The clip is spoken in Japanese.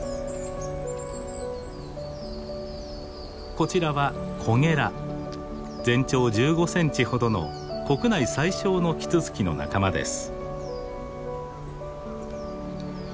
こちらは全長１５センチほどの国内最小のキツツキの仲間です。